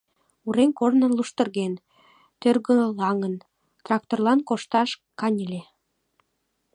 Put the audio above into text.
Урем корно луштырген, тӧргылаҥын, тракторлан кошташ каньыле.